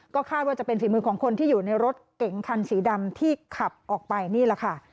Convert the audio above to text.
ก็คาดว่าจะเป็นฝีมือของคนที่อยู่ในรถเก๋งคันสีดำที่ขับออกไปนี่แหละค่ะ